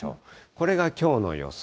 これがきょうの予想。